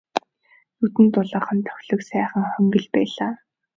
Нүдэнд дулаахан тохилог сайхан хонгил байлаа.